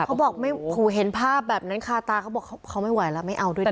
เขาบอกเห็นภาพแบบนั้นคล้าตาเขาบอกเขาไม่ไหวละไม่เอาดูดีกว่า